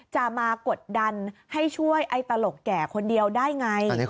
มากดดันให้ช่วยไอ้ตลกแก่คนเดียวได้ไง